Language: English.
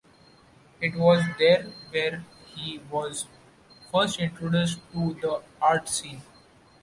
It was there where he was first introduced to the art scene.